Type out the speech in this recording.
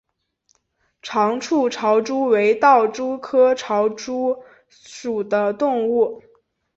长触潮蛛为盗蛛科潮蛛属的动物。